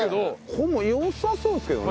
ほぼ良さそうですけどね。